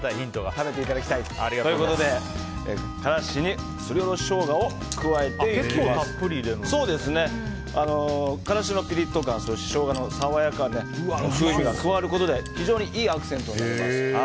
食べていただきたい。ということで辛子にすりおろしショウガを辛子のピリッと感ショウガな爽やかな風味が加わることで非常にいいアクセントになります。